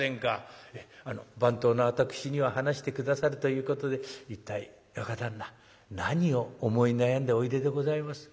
番頭の私には話して下さるということで一体若旦那何を思い悩んでおいででございます？